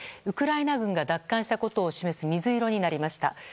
ウクライナ軍が奪還したことを示す水色になりました。